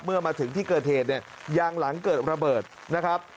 เมื่อมาถึงที่เกิดเหตุเนี่ยยางหลังเกิดระเบิดนะครับ